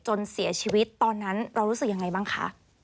จนเสียชีวิตตอนนั้นเรารู้สึกยังไงบ้างคะ